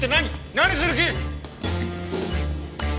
何する気？